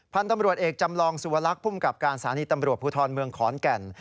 พันธุ์ตำรวจเอกจำลองสุวรรคภูมิกับการสถานีตำรวจภูทรเมืองขอนแก่น